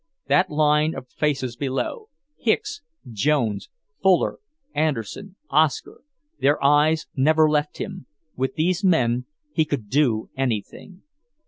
That line of faces below; Hicks, Jones, Fuller, Anderson, Oscar.... Their eyes never left him. With these men he could do anything.